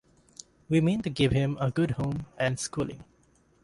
We mean to give him a good home and schooling.